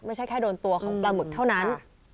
ไม่ใช่แค่โดนตัวของปลาหมึกเท่านั้น